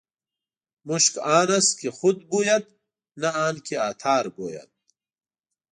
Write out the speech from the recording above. مشک آن است که خود بوید نه آن که عطار ګوید.